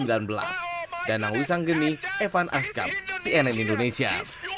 dan yang wisang geni evan askam cnn indonesia